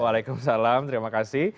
waalaikumsalam terima kasih